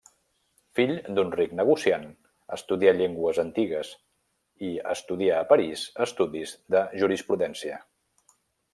Fill d'un ric negociant, estudià llengües antigues, i estudià a París estudis de jurisprudència.